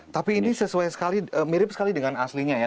tapi ini mirip sekali dengan aslinya ya